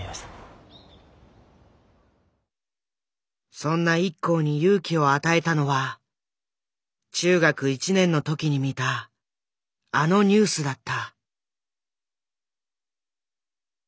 そんなＩＫＫＯに勇気を与えたのは中学１年の時に見たあのニュースだった。